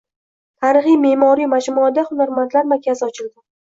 Tarixiy-me’moriy majmuada Hunarmandlar markazi ochildi